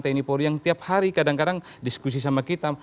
tenipor yang tiap hari kadang kadang diskusi sama kita